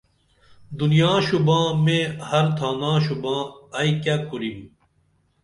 دنیا شُوباں میں ہر تھانہ شُوباں ائی کیہ کُرِم